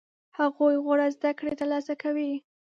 هغوی غوره زده کړې ترلاسه کوي.